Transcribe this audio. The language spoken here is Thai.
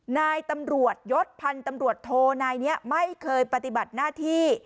นายตำรวจยศพันธ์ตำรวจโทนายนี้ไม่เคยปฏิบัติหน้าที่